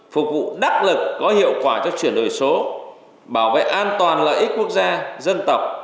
phục vụ đắc lực có hiệu quả cho chuyển đổi số bảo vệ an toàn lợi ích quốc gia dân tộc